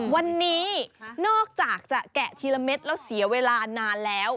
วันนี้นอกจากจะแกะทีละเม็ดแล้วเสียเวลานานแล้ว